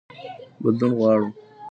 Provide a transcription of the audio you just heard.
بدلون غواړو.